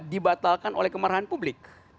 dibatalkan oleh kemarahan publik